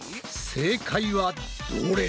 正解はどれだ？